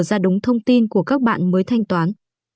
ra đúng thông tin của các bạn mới thanh toán